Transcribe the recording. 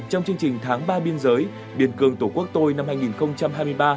trong chương trình tháng ba biên giới biển cường tổ quốc tôi năm hai nghìn hai mươi ba